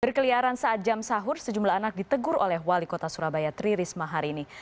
berkeliaran saat jam sahur sejumlah anak ditegur oleh wali kota surabaya tri risma hari ini